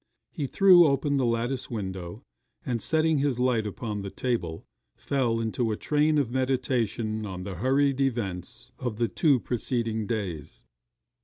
He threw open the lattice window, and setting his light upon the table, fell into a train of meditation on the hurried events of the two preceding days.